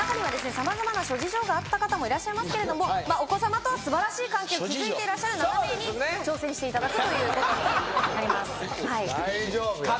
さまざまな諸事情があった方もいらっしゃいますけれどもお子様と素晴らしい関係を築いていらっしゃる７名に挑戦していただくということにははははっ